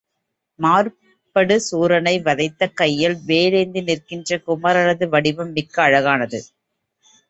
மாறுபடு சூரனை வதைத்த கையில் வேலேந்தி நிற்கின்ற குமரனது வடிவம் மிக்க அழகானது.